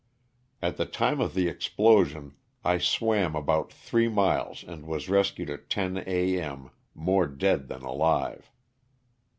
At the time of the explosion I swam about three miles and was rescued at 10 a. m., more dead than alive.